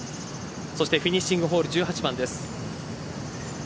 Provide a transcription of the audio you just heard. そしてフィニッシングホール１８番です。